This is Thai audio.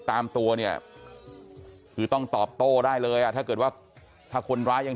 ตามตัวเนี่ยคือต้องตอบโต้ได้เลยอ่ะถ้าเกิดว่าถ้าคนร้ายยัง